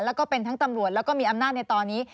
แล้วก็เป็นทั้งตำรวจแล้วก็มีอำนาจในตอนนี้